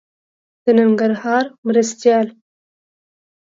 د ننګرهار مرستيال